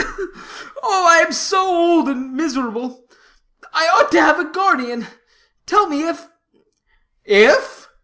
Ugh, ugh, ugh! Oh, I am so old and miserable. I ought to have a guardian. Tell me, if " "If?